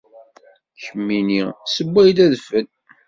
Kemmini sewway-d adfel.